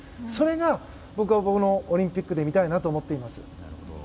それが、僕はこのオリンピックで見たいなと思っています。